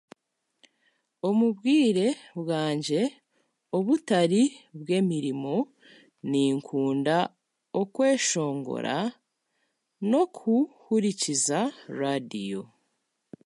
Omu bwire bwangye obutari bw'emirimo, ninkunda kweshongora nari okuhurikiriza raadiyo